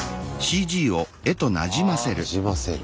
なじませる。